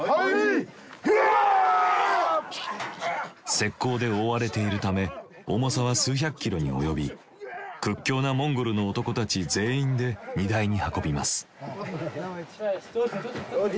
石こうで覆われているため重さは数百キロに及び屈強なモンゴルの男たち全員で荷台に運びます。